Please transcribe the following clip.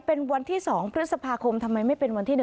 เป็นวันที่๒พฤษภาคมทำไมไม่เป็นวันที่๑